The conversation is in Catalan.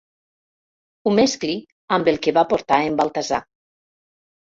Ho mescli amb el que va portar en Baltasar.